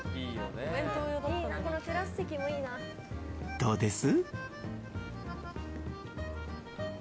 どうです？